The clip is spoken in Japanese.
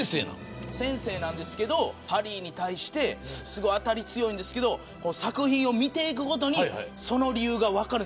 先生なんですけどハリーに対して当たり強いんですけど作品を見ていくごとにその理由が分かる。